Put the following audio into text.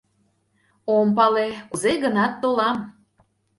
— Ом пале, кузе-гынат толам.